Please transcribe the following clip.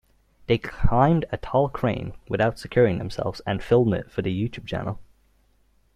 They climbed a tall crane without securing themselves and filmed it for their YouTube channel.